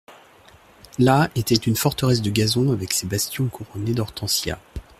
Là, était une forteresse de gazon avec ses bastions couronnés d'hortensias.